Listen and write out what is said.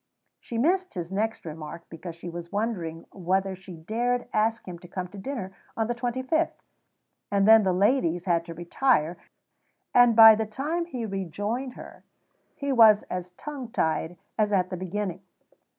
She missed his next remark because she was wondering whether she dare ask him to come to dinner on the twenty fifth, and then the ladies had to retire, and by the time he rejoined her he was as tongue tied as at the beginning.